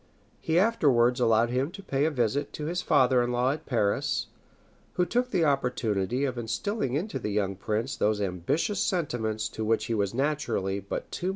[*] He afterwards allowed him to pay a visit to his father in law at Paris, who took the opportunity of instilling into the young prince those ambitious sentiments to which he was naturally but too much inclined.